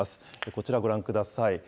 こちらご覧ください。